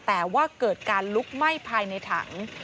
แต่ว่าเกิดการลุกไหม้ภายในถัง